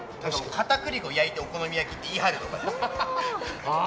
片栗粉を焼いてお好み焼きって言い張るとか。